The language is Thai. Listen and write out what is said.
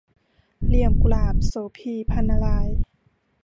เหลี่ยมกุหลาบ - โสภี พรรณราย